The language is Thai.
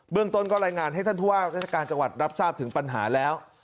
เรื่องต้นก็รายงานให้ท่านผู้ว่าราชการจังหวัดรับทราบถึงปัญหาแล้ว